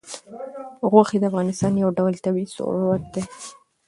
غوښې د افغانستان یو ډول طبعي ثروت دی.